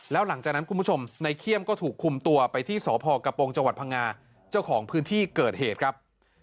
แล้วหลังจากนั้นคุณผู้ชมในเขี้ยมก็ถูกคุมตัวไปที่สพกระโปรงจังหวัดพังงาเจ้าของพื้นที่เกิดเหตุครับ